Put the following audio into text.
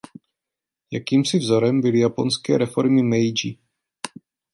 Jakýmsi vzorem byly japonské reformy Meidži.